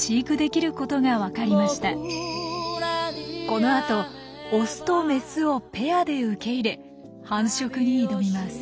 このあとオスとメスをペアで受け入れ繁殖に挑みます。